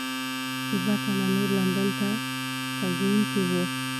دوه تنه نور لندن ته تګونکي وو.